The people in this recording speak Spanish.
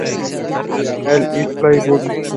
En "Is Paris Burning?